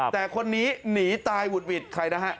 แต่คนนี้หนีตายหุดหวิดใครนะฮะ